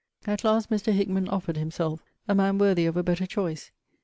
At last Mr. Hickman offered himself; a man worthy of a better choice.